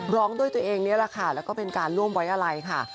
ร้องด้วยตัวเองนี่แหละค่ะแล้วก็เป็นการร่วมไว้อะไรค่ะ